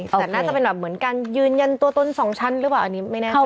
แต่น่าจะเป็นแบบเหมือนการยืนยันตัวตน๒ชั้นหรือเปล่าอันนี้ไม่แน่ใจ